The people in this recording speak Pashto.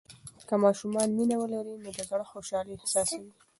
که ماشومان مینه ولري، نو د زړه خوشالي احساسوي.